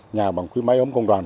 nhà bằng quy mấy ống công đoàn